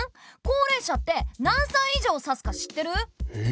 高齢者って何歳以上を指すか知ってる？え！